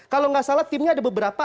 kalau nggak salah timnya ada beberapa